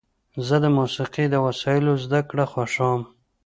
زه د موسیقۍ د وسایلو زدهکړه خوښوم.